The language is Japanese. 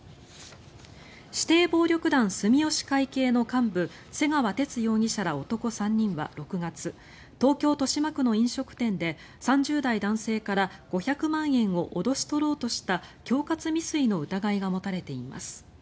指定暴力団住吉会系の幹部瀬川哲容疑者ら男３人は６月東京・豊島区の飲食店で３０代男性から５００万円を脅し取ろうとした恐喝未遂の疑いが持たれています。